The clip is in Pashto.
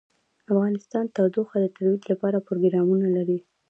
افغانستان د تودوخه د ترویج لپاره پروګرامونه لري.